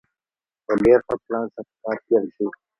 په ډېر ښه پلان سره کار پيل شي.